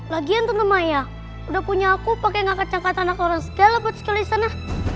lagian tante maya udah punya aku pake ngakak kakak anak orang segala buat sekolah di sana